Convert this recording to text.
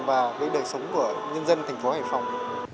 và cái đời sống của nhân dân thành phố hải phòng